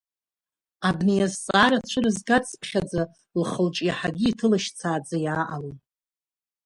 Абри азҵаара цәырызгацыԥхьаӡа лхы-лҿы иаҳагьы иҭылашьцааӡа иааҟалон.